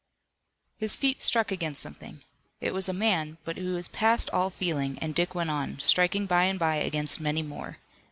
His feet struck against something. It was a man, but he was past all feeling, and Dick went on, striking by and by against many more.